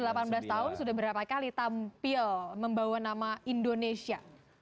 berarti kalau sudah delapan belas tahun sudah berapa kali tampil membawa nama indonesia